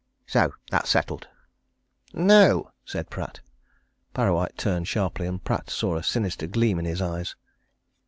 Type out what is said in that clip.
So that's settled." "No!" said Pratt. Parrawhite turned sharply, and Pratt saw a sinister gleam in his eyes.